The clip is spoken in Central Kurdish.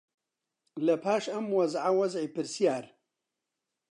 لەپاش ئەم وەزعە وەزعی پرسیار